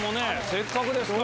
せっかくですから。